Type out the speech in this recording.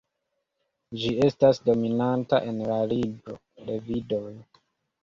Ĝi estas dominanta en la libro Levidoj.